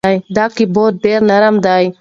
دا کیبورد ډېر نرم دی.